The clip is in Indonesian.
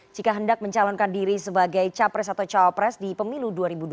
jika hendak mencalonkan diri sebagai capres atau cawapres di pemilu dua ribu dua puluh